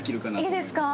いいですか？